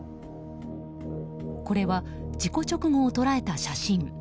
これは事故直後を捉えた写真。